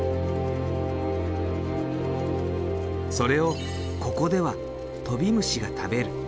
それをここではトビムシが食べる。